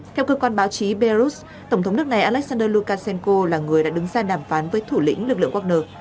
theo cơ quan báo chí belarus tổng thống nước này alexander lukashenko là người đã đứng ra đàm phán với thủ lĩnh lực lượng wagner